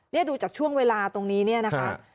นี่ดูจากช่วงเวลาตรงนี้เนี่ยนะคะ